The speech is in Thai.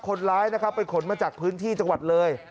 คนร้ายนะครับไปขนมาจากพื้นที่จังหวัดเลย